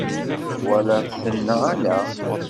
Twalaḍ-ten neɣ ala?